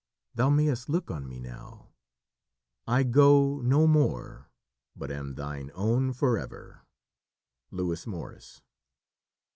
Thou mayst look on me now. I go no more, But am thine own forever." Lewis Morris.